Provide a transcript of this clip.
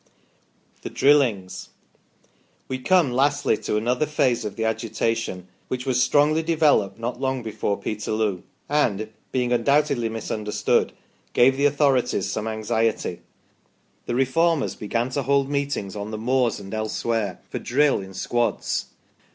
THE DRILLINGS. We come, lastly, to another phase of the agitation, which was strongly developed not long before Peterloo, and being undoubtedly misunderstood gave the authorities some anxiety : the Reformers began to hold meetings on the moors and elsewhere for drill in squads.